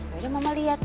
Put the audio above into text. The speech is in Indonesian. yaudah mama lihat